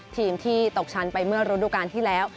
ทีมที่ตกชั้นไปเมื่อฤดูการที่แล้ว